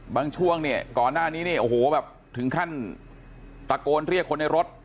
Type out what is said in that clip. ช่วงเนี่ยก่อนหน้านี้เนี่ยโอ้โหแบบถึงขั้นตะโกนเรียกคนในรถ